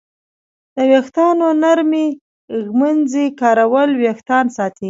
د ویښتانو نرمې ږمنځې کارول وېښتان ساتي.